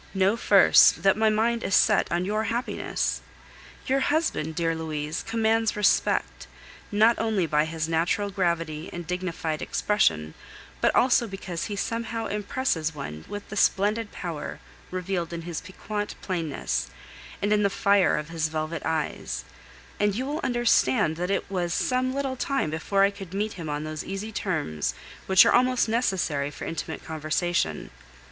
Know first, that my mind is set on your happiness. Your husband, dear Louise, commands respect, not only by his natural gravity and dignified expression, but also because he somehow impresses one with the splendid power revealed in his piquant plainness and in the fire of his velvet eyes; and you will understand that it was some little time before I could meet him on those easy terms which are almost necessary for intimate conversation.